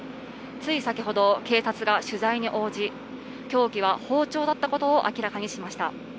つい先程、警察が取材に応じ、凶器は包丁だったことを明らかにしました。